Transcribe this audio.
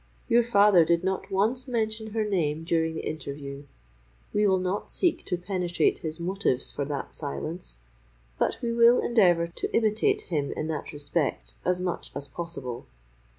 Your father did not once mention her name during the interview: we will not seek to penetrate his motives for that silence—but we will endeavour to imitate him in that respect as much as possible."